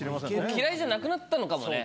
嫌いじゃなくなったのかもね。